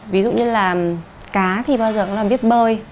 ví dụ như là cá thì bao giờ cũng là biết bơi